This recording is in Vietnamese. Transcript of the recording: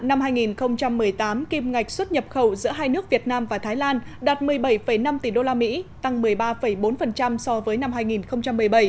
năm hai nghìn một mươi tám kim ngạch xuất nhập khẩu giữa hai nước việt nam và thái lan đạt một mươi bảy năm tỷ usd tăng một mươi ba bốn so với năm hai nghìn một mươi bảy